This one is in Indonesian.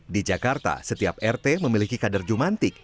di jakarta setiap rt memiliki kader jumantik